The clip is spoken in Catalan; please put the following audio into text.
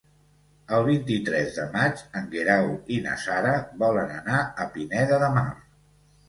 El vint-i-tres de maig en Guerau i na Sara volen anar a Pineda de Mar.